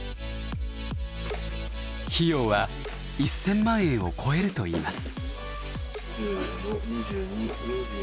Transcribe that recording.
費用は１，０００万円を超えるといいます。